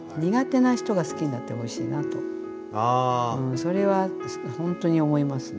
それは本当に思いますね。